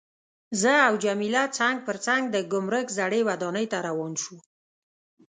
زه او جميله څنګ پر څنګ د ګمرک زړې ودانۍ ته روان شوو.